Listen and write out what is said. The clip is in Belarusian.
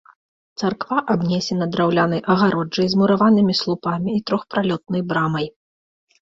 Царква абнесена драўлянай агароджай з мураванымі слупамі і трохпралётнай брамай.